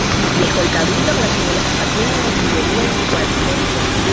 Dejó el Cabildo para asumir la jefatura de Artillería del Cuartel General.